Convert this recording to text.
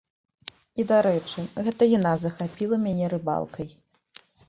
І, дарэчы, гэта яна захапіла мяне рыбалкай.